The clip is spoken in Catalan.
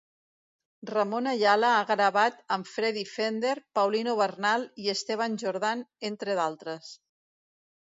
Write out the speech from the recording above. Ramon Ayala ha gravat amb Freddy Fender, Paulino Bernal i Esteban Jordan, entre d'altres.